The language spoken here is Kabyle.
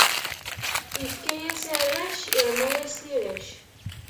Ifka-yas arrac, irna-yas tirac.